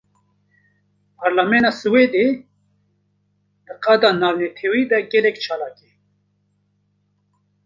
Parlamena Swêdê, di qada navnetewî de gelek çalak e